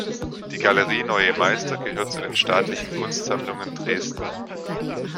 Die Galerie Neue Meister gehört zu den Staatlichen Kunstsammlungen Dresden.